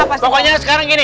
pokoknya sekarang gini